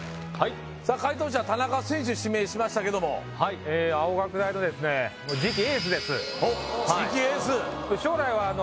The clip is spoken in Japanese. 解答者田中選手指名しましたけどもおっ次期エース？